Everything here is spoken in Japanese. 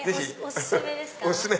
お薦めです。